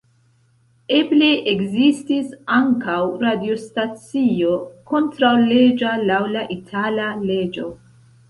Eble ekzistis ankaŭ radiostacio kontraŭleĝa laŭ la itala leĝo.